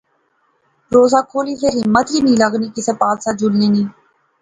روزہ کھولی فیر ہمت ای نی لغنی کسے پاسے جلنے نی